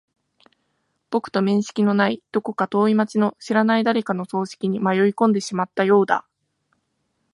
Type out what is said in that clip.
僕と面識のない、どこか遠い街の知らない誰かの葬式に迷い込んでしまったようだ。